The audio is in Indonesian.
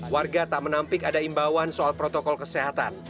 warga tak menampik ada imbauan soal protokol kesehatan